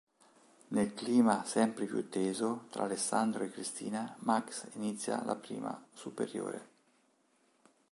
Nel clima sempre più teso tra Alessandro e Cristina, Max inizia la prima superiore.